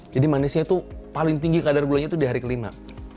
jadi manisnya itu paling tinggi kadar gulanya itu di hari kelima